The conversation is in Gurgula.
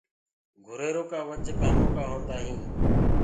گُريرو ڪآ وجھ ڪآمو هوندآ هينٚ۔